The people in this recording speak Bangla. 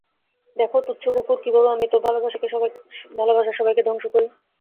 দেখ, তুচ্ছ কুকুর, কীভাবে আমি তোর ভালোবাসার সবাইকে ধ্বংস করি।